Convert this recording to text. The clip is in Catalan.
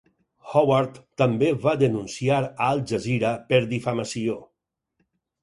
Howard també va denunciar Al Jazeera per difamació.